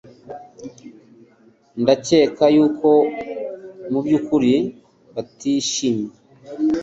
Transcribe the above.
Ndakeka yuko mubyukuri batishimye